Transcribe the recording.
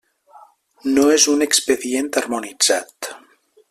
No és un expedient harmonitzat.